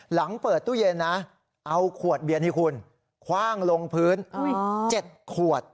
หลังเปิดตู้เย็นนะเอาขวดเบียนให้คุณคว่างลงพื้น๗ขวด